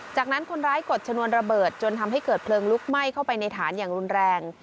จากนั้นคนร้ายกดชนวนระเบิดจนทำให้เกิดเพลิงลุกไหม้เข้าไปในฐานอย่างรุนแรง